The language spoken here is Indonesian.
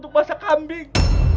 untuk masak kambing